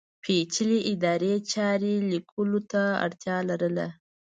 پېچلې ادارې چارې لیکلو ته اړتیا لرله.